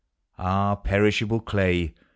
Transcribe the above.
Ah, perishable clay !